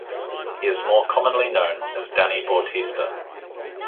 He is more commonly known as Danny Bautista.